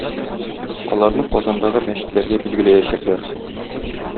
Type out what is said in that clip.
Аларны Казандагы мәчетләргә билгеләячәкләр.